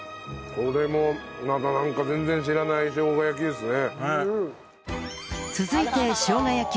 これもまたなんか全然知らないしょうが焼きですね。